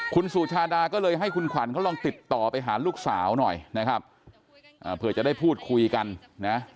คุณสุชาดาก็เลยให้คุณขวัญเขาลองติดต่อไปหาลูกสาวหน่อยนะครับเผื่อจะได้พูดคุยกันนะ